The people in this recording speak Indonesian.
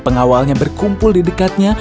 pengawalnya berkumpul di dekatnya